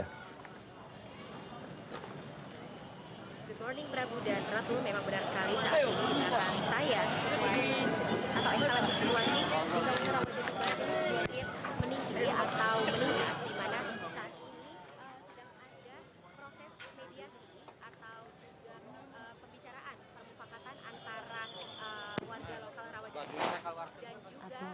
good morning prabu dan ratu memang benar sekali saat ini di belakang saya